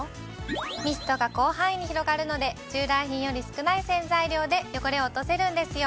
ミストが広範囲に広がるので従来品より少ない洗剤量で汚れを落とせるんですよ。